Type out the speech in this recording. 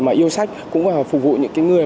mà yêu sách cũng là phục vụ những người